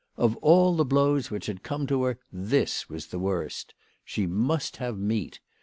Of all the blows which had come to her this was the worst. She must have meat.